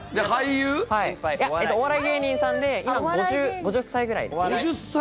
お笑い芸人さんで今５０歳くらいですね。